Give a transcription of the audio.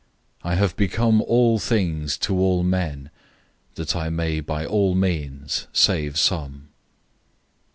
I have become all things to all men, that I may by all means save some.